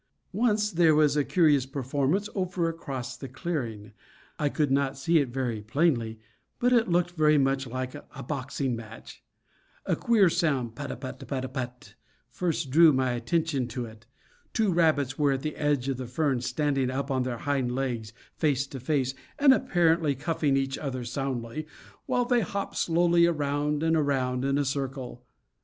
Once there was a curious performance over across the clearing. I could not see it very plainly, but it looked very much like a boxing match. A queer sound, put a put a put a put, first drew my attention to it. Two rabbits were at the edge of the ferns, standing up on their hind legs, face to face, and apparently cuffing each other soundly, while they hopped slowly around and around in a circle.